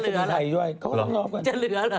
จะเหลือหรอ